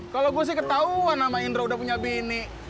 kalo gue sih ketauan sama indra udah punya bini